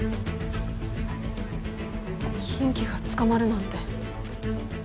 金鬼が捕まるなんて。